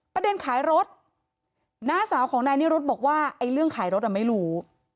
ขายรถน้าสาวของนายนิรุธบอกว่าไอ้เรื่องขายรถอ่ะไม่รู้